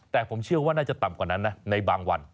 แต่ผมเชื่อว่าน่าจะต่ำกว่านั้นนะในบางวัน